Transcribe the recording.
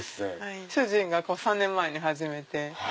主人が３年前に始めて。